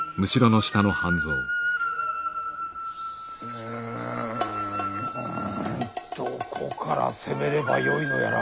うんどこから攻めればよいのやら。